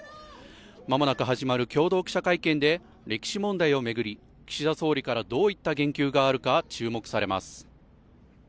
間もなく始まる共同記者会見で歴史問題を巡り、岸田総理から、どういった言及があるか注目されます。